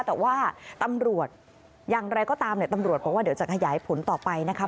แต่ว่าตำรวจอย่างไรก็ตามเนี่ยตำรวจบอกว่าเดี๋ยวจะขยายผลต่อไปนะคะ